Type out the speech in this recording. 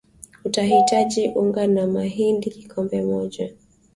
utahitaji Unga wa mahindi kikombe moja